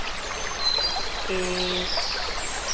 えー